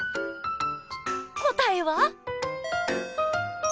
答えは。